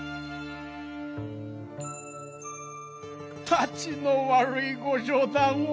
たちの悪いご冗談を。